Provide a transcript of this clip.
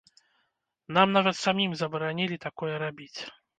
Нам нават самім забаранілі такое рабіць!